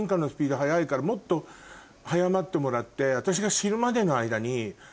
からもっと早まってもらって私が。